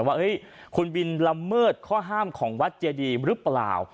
ว่าคุณบินละเมิดข้อห้ามของวัดเจดีหรือเปล่า